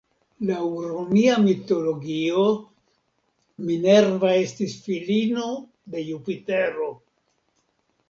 Laŭ romia mitologio, Minerva estis filino de Jupitero.